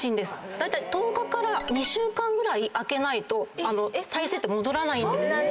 だいたい１０日から２週間ぐらい空けないと耐性って戻らないんです。